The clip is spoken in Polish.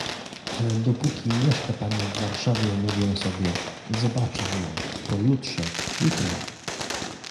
"Ale dopóki mieszka pani w Warszawie, mówię sobie: zobaczę ją, pojutrze... jutro..."